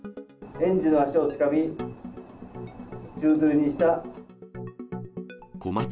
園児の足をつかみ、宙づりにした。